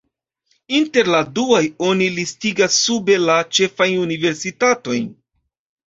Inter la duaj oni listigas sube la ĉefajn universitatojn.